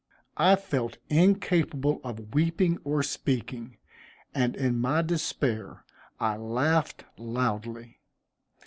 I felt incapable of weeping or speaking, and in my despair I laughed loudly.